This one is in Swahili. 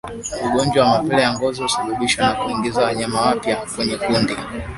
Ugonjwa wa mapele ya ngozi husababishwa na kuingiza wanyama wapya kwenye kundi